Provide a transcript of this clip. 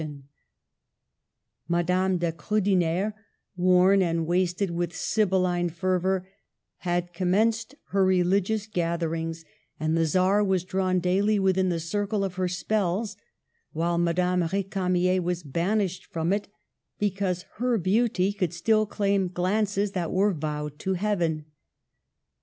Digitized by VjOOQLC ENGLAND AGAIN 1 87 Madame de Kriidener, worn and wasted with sybilline fervor, had commenced her religious gatherings, and the Czar was drawn daily within the circle of her spells, while Madame R6camier was banished from it because her beauty could still claim glances that were vowed to heaven.